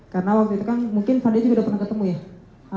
karena waktu itu kan mungkin fadia juga udah pernah ketemu ya